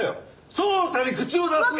捜査に口を出す。